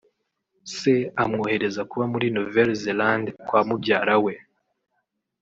se amwohereza kuba muri Nouvelle Zelande kwa mubyara we